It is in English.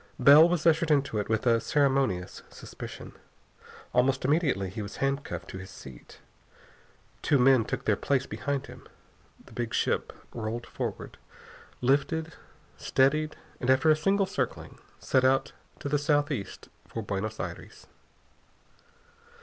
Bell was ushered into it with a ceremonious suspicion. Almost immediately he was handcuffed to his seat. Two men took their place behind him. The big ship rolled forward, lifted, steadied, and after a single circling set out to the southeast for Buenos Aires.